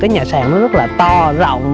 cái nhà sàn nó rất là to rộng